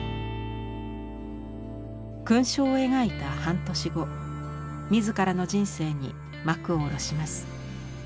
「勲章」を描いた半年後自らの人生に幕を下ろします。